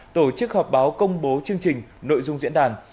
tổ chức họp báo công bố chương trình nội dung diễn đàn